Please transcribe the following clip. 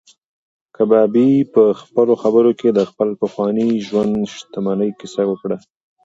کبابي په خپلو خبرو کې د خپل پخواني ژوند د شتمنۍ کیسه وکړه.